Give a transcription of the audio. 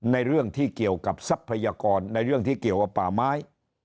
ในเรื่องที่เกี่ยวกับทรัพยากรในเรื่องที่เกี่ยวกับป่าไม้